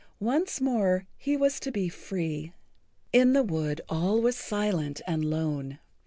Once more he was to be free. In the wood all was silent and lone.